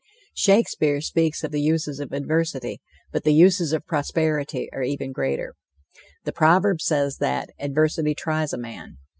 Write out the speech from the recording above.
Shakespeare speaks of the uses of adversity; but the uses of prosperity are even greater. The proverb says that "adversity tries a man."